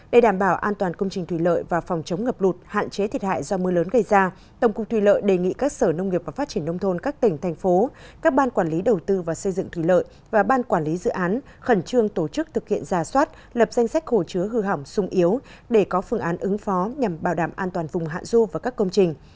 để đảm bảo an toàn công trình thủy lợi và phòng chống ngập lụt hạn chế thiệt hại do mưa lớn gây ra tổng cục thủy lợi đề nghị các sở nông nghiệp và phát triển nông thôn các tỉnh thành phố các ban quản lý đầu tư và xây dựng thủy lợi và ban quản lý dự án khẩn trương tổ chức thực hiện giả soát lập danh sách hồ chứa hư hỏng sung yếu để có phương án ứng phó nhằm bảo đảm an toàn vùng hạ du và các công trình